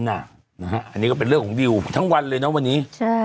อันนี้ก็เป็นเรื่องของดิวทั้งวันเลยนะวันนี้